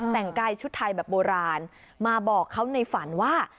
แต่งกายชุดไทยแบบโบราณมาบอกเขาในฝันว่า